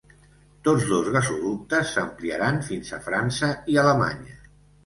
Tots dos gasoductes s'ampliaran fins a França i Alemanya.